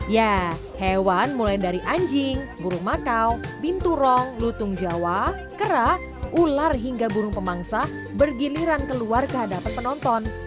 ya hewan mulai dari anjing burung makau pinturong lutung jawa kera ular hingga burung pemangsa bergiliran keluar ke hadapan penonton